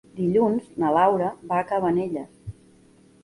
Dilluns na Laura va a Cabanelles.